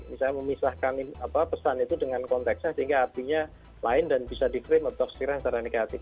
misalnya memisahkan pesan itu dengan konteksnya sehingga artinya lain dan bisa di frame atau segera negatif